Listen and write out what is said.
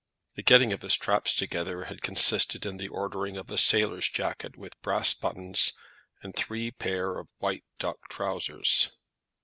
The getting of his traps together had consisted in the ordering of a sailor's jacket with brass buttons, and three pair of white duck trousers.